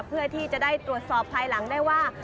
เพื่อที่จะได้ตรวจสอบภายหลังได้ว่า